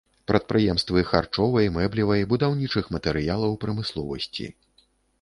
Прадпрыемствы харчовай, мэблевай, будаўнічых матэрыялаў прамысловасці.